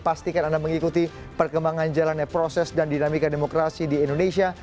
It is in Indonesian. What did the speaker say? pastikan anda mengikuti perkembangan jalannya proses dan dinamika demokrasi di indonesia